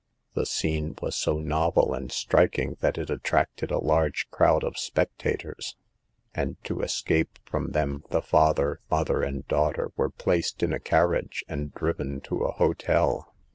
The scene was so novel and striking that it attracted a large crowd of spectators, and to escape from them the father, mother A LOST WOMAN SAVED. 127 and daughter were placed in a carriage and driven to a hotel.